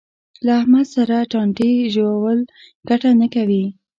له احمد سره ټانټې ژول ګټه نه کوي.